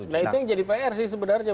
nah itu yang jadi pr sih sebenarnya